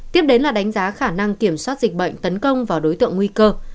tiếp đến là đánh giá khả năng kiểm soát dịch bệnh tấn công vào đối tượng nguy cơ